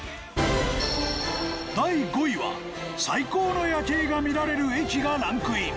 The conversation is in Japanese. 第５位は最高の夜景が見られる駅がランクイン。